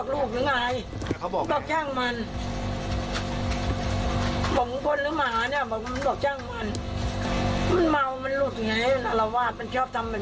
ลูกก็ไม่พาไปโรงเรียนพาลูกนอนตื่นสาย